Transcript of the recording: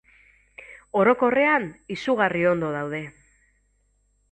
Orokorrean, izugarri ondo daude.